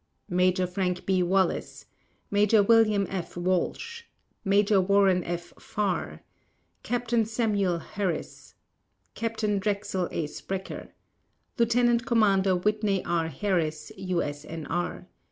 Major Frank B. Wallis Major William F. Walsh Major Warren F. Farr Captain Samuel Harris Captain Drexel A. Sprecher Lieutenant Commander Whitney R. Harris, U.S.N.R.